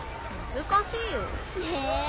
難しいよ。